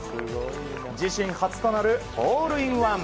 自身初となるホールインワン。